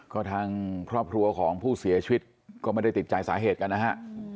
ก็ทางครอบครัวของผู้เสียชีวิตก็ไม่ได้ติดใจสาเหตุกันนะฮะ